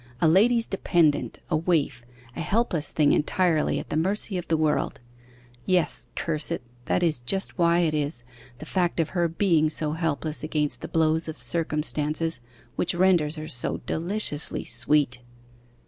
A lady's dependent, a waif, a helpless thing entirely at the mercy of the world; yes, curse it; that is just why it is; that fact of her being so helpless against the blows of circumstances which renders her so deliciously sweet!